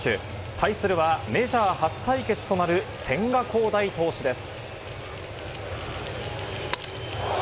対するはメジャー初対決となる千賀滉大投手です。